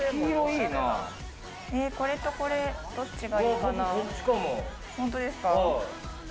これとこれ、どっちがいいかな。